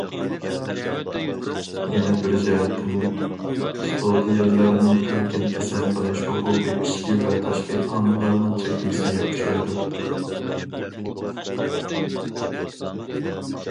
يەنە بىر جەھەتتىن سودىيەلەرنىڭ ئەركىن كېسىم قىلىش ھوقۇقى ئىچكى ۋە تاشقى ئامىللارنىڭ چەكلىمىسىگە ئۇچرايدۇ.